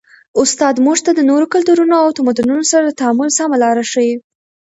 استاد موږ ته د نورو کلتورونو او تمدنونو سره د تعامل سمه لاره ښيي.